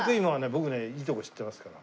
僕ねいいとこ知ってますから。